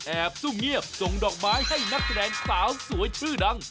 ซุ่มเงียบส่งดอกไม้ให้นักแสดงสาวสวยชื่อดัง